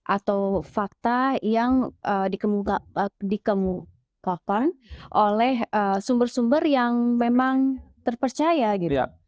atau fakta yang dikemukakan oleh sumber sumber yang memang terpercaya gitu